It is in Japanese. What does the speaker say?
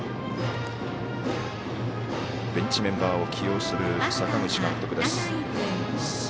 ベンチメンバーを起用する阪口監督です。